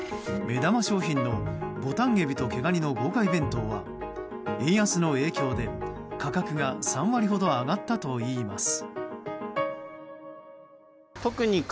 目玉商品のぼたん海老と毛がにの豪快弁当は円安の影響で価格が３割ほど上がったといいます。